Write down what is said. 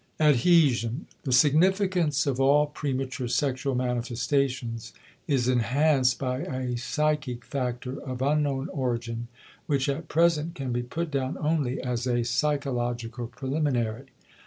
*Adhesion.* The significance of all premature sexual manifestations is enhanced by a psychic factor of unknown origin which at present can be put down only as a psychological preliminary.